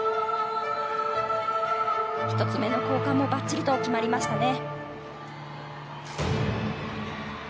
１つ目の交換もばっちりと決まりましたね。